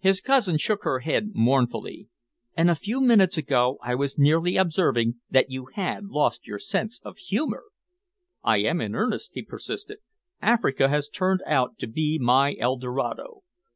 His cousin shook her head mournfully. "And a few minutes ago I was nearly observing that you had lost your sense of humour!" "I am in earnest," he persisted. "Africa has turned out to be my Eldorado.